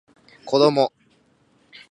こども